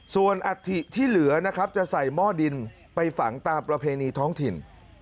ส่วนอัฐิที่เหลือนะครับจะใส่หม้อดินไปฝังตามประเพณีท้องถิ่น